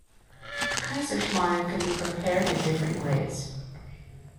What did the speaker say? Kaiserschmarren can be prepared in different ways.